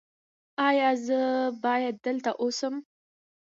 ایا زه باید دلته اوسم؟